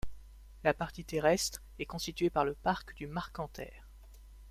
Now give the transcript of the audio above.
La partie terrestre est constituée par le parc du Marquenterre.